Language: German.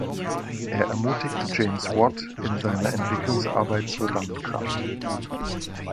Er ermutigte James Watt in seiner Entwicklungsarbeit zur Dampfkraft.